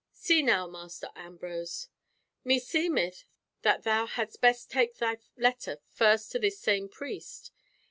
See now, Master Ambrose, meseemeth that thou hadst best take thy letter first to this same priest.